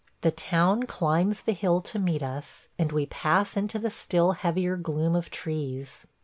The town climbs the hill to meet us, and we pass into the still heavier gloom of trees.